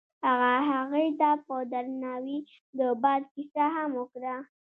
هغه هغې ته په درناوي د باد کیسه هم وکړه.